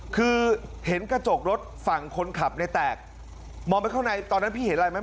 คือเห็นกระจกรถฝั่งคนขับในแตกมองไปข้างในตอนนั้นพี่เห็นอะไรไหม